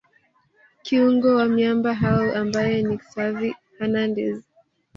kiungo wa miamba hao ambaye ni Xavi Hernandez